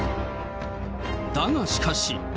だが、しかし。